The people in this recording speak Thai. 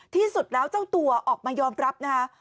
ที่สุดแล้วเจ้าตัวออกมายอมรับนะคะ